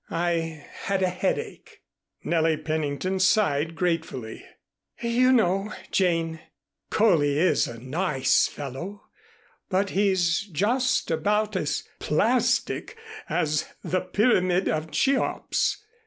"I had a headache." Nellie Pennington sighed gratefully. "You know, Jane, Coley is a nice fellow, but he's just about as plastic as the Pyramid of Cheops.